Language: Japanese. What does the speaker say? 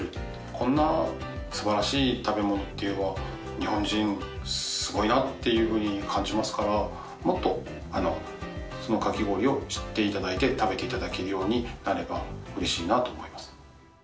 こんな素晴らしい食べ物っていうのは、日本人すごいなっていうふうに感じますから、もっとかき氷を知っていただいて、食べていただけるようになればうれしいなと思います。